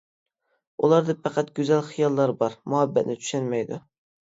ئۇلاردا پەقەت گۈزەل خىياللا بار مۇھەببەتنى چۈشەنمەيدۇ.